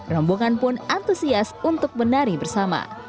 rombongan pun antusias untuk menari bersama